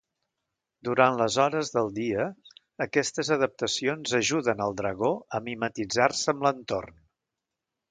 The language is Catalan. Durant les hores del dia, aquestes adaptacions ajuden al dragó a mimetitzar-se amb l'entorn.